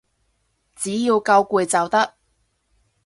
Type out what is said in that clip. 只要夠攰就得